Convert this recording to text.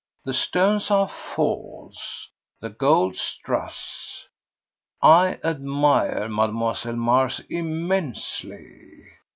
"The stones are false, the gold strass. I admire Mlle. Mars immensely.